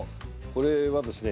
これはですね